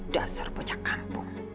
dasar bocah kampung